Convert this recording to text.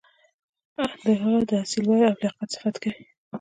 د هغه د اصیل والي او لیاقت صفت کوي.